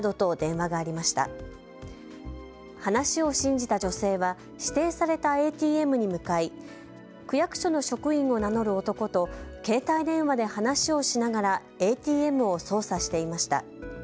話を信じた女性は指定されたＡＴＭに向かい区役所の職員を名乗る男と携帯電話で話をしながらＡＴＭを操作していました。